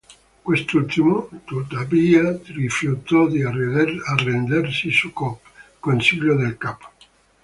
Quest'ultimo, tuttavia, rifiutò di arrendersi, su consiglio del Cap.